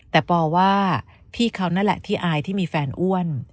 แต่ปอว่าพี่เขานั่นแหละที่อายที่มีแฟนอ้วน